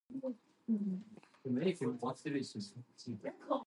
Together with Eigen, Schuster developed the quasispecies model.